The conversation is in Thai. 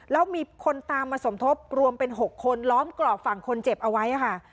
แล้วมีคนตามมาสมทบรวมเป็น๖คนล้อมกรอบฝั่งคนเจ็บเอาไว้ค่ะ